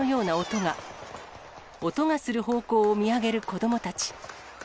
音がする方向を見上げる子どもたち。